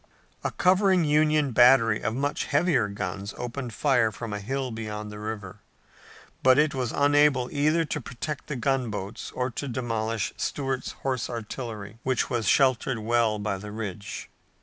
A covering Union battery of much heavier guns opened fire from a hill beyond the river, but it was unable either to protect the gunboats or to demolish Stuart's horse artillery, which was sheltered well by the ridge.